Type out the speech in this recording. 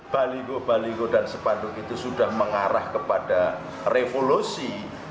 baligo baligo dan spanduk itu sudah mengarah kepada revolusi